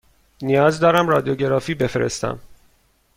نیاز دارم رادیوگرافی بفرستم.